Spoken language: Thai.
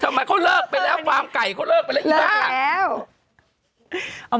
ทำไมเขาเลิกไปแล้วฟาร์มไก่เขาเลิกไปแล้วอีบ้า